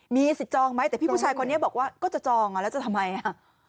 มีสิทธิ์จองไหมแต่พี่ผู้ชายคนนี้บอกว่าก็จะจองอ่ะแล้วจะทำไมอ่ะ